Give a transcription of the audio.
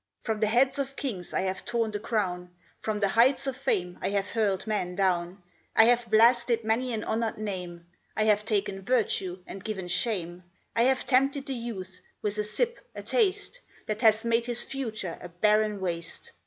From the heads of kings I have torn the crown; From the heights of fame I have hurled men down; I have blasted many an honoured name; I have taken virtue and given shame; I have tempted the youth, with a sip, a taste, That has made his future a barren waste.